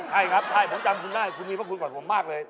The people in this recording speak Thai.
ใช่ครับผมจำถึงได้คุณมีพรขุมกว่าผมมากเลย